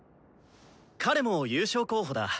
彼も優勝候補だ。